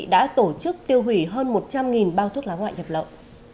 đã tổ chức tiêu hủy hơn một trăm linh bao thuốc lá ngoại nhập lậu